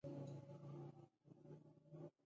دوی نوروز په شاندارۍ لمانځي.